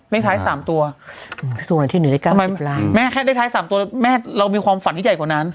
เลขท้าย๓ตัวแม่แค่ได้๓ตัวเรามีความฝันใหญ่กว่านั้น